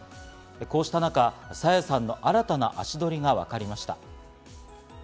こうした中、朝芽さんの新たな足取りがわかりました。